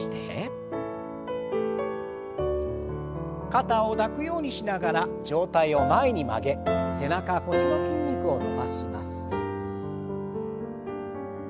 肩を抱くようにしながら上体を前に曲げ背中腰の筋肉を伸ばします。